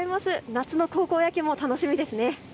夏の高校野球も楽しみですね。